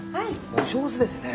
お上手ですね。